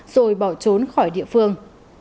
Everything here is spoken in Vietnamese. rồi bỏ trốn khỏi địa phương